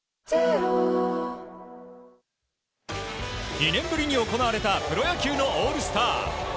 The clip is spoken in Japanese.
２年ぶりに行われたプロ野球のオールスター。